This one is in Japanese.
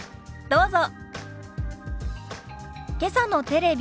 どうぞ。